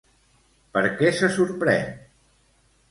Per què se sorprèn?